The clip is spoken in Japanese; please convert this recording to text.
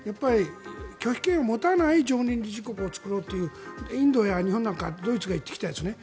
拒否権を持たない常任理事国を作ろうというインドや日本ドイツが言ってきたやつね。